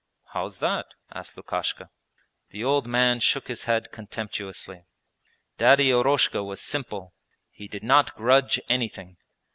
'How's that?' asked Lukashka. The old man shook his head contemptuously. 'Daddy Eroshka was simple; he did not grudge anything!